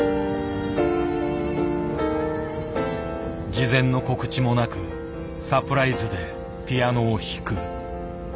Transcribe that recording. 事前の告知もなくサプライズでピアノを弾く。